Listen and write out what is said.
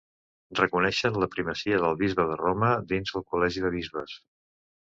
Reconeixen la primacia del bisbe de Roma dins el Col·legi de bisbes.